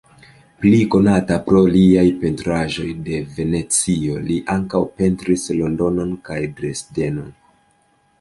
Pli konata pro liaj pentraĵoj de Venecio, li ankaŭ pentris Londonon kaj Dresdeno.